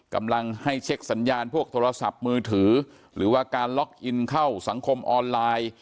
กำลังให้เช็คสัญญาณพวกโทรศัพท์มือถือหรือว่าการล็อกอินเข้าสังคมออนไลน์